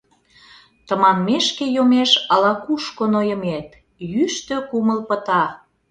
Тыманмешке йомеш ала-кушко Нойымет, йӱштӧ кумыл пыта.